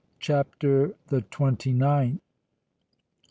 CHAPTER THE TWENTY NINTH.